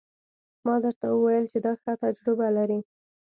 ما درته وويل چې دا ښه تجربه لري.